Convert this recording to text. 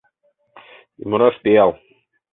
Ӱмыраш пиал